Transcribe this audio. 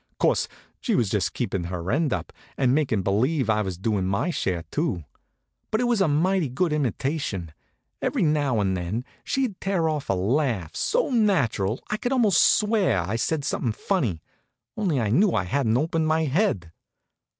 Course, she was just keepin' her end up, and makin' believe I was doing my share, too. But it was a mighty good imitation. Every now and then she'd tear off a little laugh so natural that I could almost swear I'd said something funny, only I knew I hadn't opened my head.